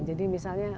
jadi misalnya kalau